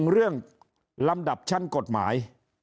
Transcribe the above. เรื่องลำดับชั้นกฎหมาย